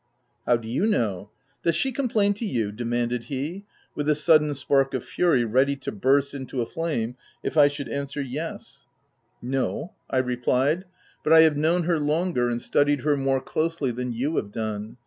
u How do you know ?— does she complain to you ?" demanded he, with a sudden spark of fury ready to burst into a flame if I should an swer « Yes/ 260 THE TENANT " No," I replied ; "but I have known her longer and studied her more closely than you have done.